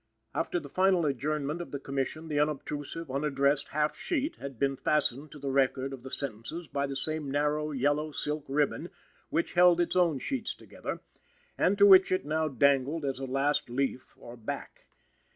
After the final adjournment of the Commission, the unobtrusive, unaddressed half sheet had been fastened to the record of the sentences by the same narrow yellow silk ribbon which held its own sheets together, and to which it now dangled as a last leaf, or back.